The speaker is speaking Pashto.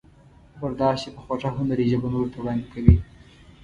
برداشت یې په خوږه هنري ژبه نورو ته وړاندې کوي.